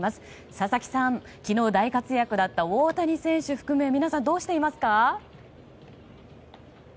佐々木さん、昨日大活躍だった大谷選手含め皆さん、どうしていますか？